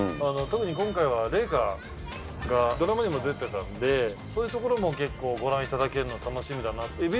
特に今回は麗禾がドラマにも出てたんで、そういうところも結構、ご覧いただけるの楽しみだなって。